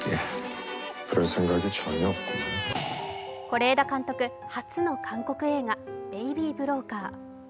是枝監督初の韓国映画「ベイビー・ブローカー」